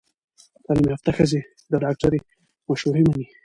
تعلیم یافته ښځې د ډاکټر مشورې مني۔